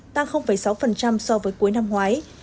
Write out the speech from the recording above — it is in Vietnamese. tăng sáu so với cuối năm ngoái